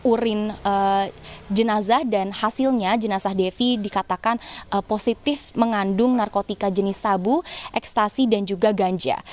urin jenazah dan hasilnya jenazah devi dikatakan positif mengandung narkotika jenis sabu ekstasi dan juga ganja